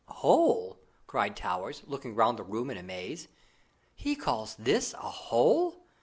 "Hole!" cried Towers, looking round the room in amaze. "He calls this a hole!